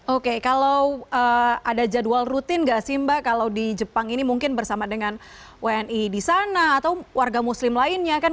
oke kalau ada jadwal rutin nggak sih mbak kalau di jepang ini mungkin bersama dengan wni di sana atau warga muslim lainnya kan